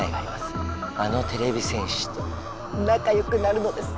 あのてれび戦士となかよくなるのです！